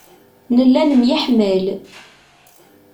Nella nemyeḥmal.